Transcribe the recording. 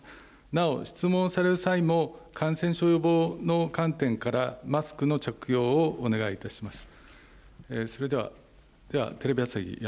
なお質問される際も感染症予防の観点から、マスクの着用をお願いいたします。